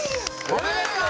おめでとう！